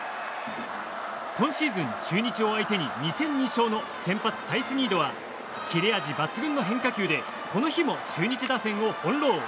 今シーズン中日を相手に２戦２勝の先発、サイスニードは切れ味抜群の変化球でこの日も中日打線を翻弄。